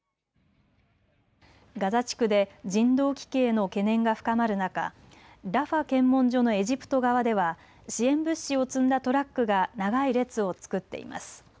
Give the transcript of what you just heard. ガザ地区で人道危機への懸念が深まる中、ラファ検問所のエジプト側では支援物資を積んだトラックが長い列を作っています。